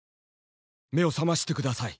目を覚まして下さい」。